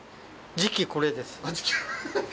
次期これです。